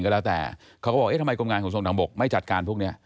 เขาก็จะบอกทำไมกรมการขนส่องทางบกไม่จัดการพวกเนี่ย